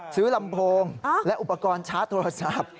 ลำโพงและอุปกรณ์ชาร์จโทรศัพท์